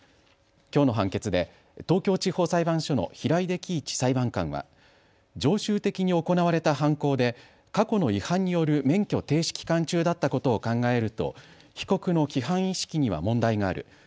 きょうの判決で東京地方裁判所の平出喜一裁判官は常習的に行われた犯行で過去の違反による免許停止期間中だったことを考えると被告の規範意識には問題がある。